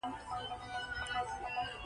ما چې په کندهار کې لیدلی وو ږیره یې توره وه.